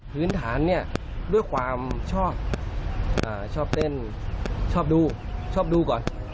พื้นฐานด้วยความชอบเพราะชอบเต้นชอบดูก่อน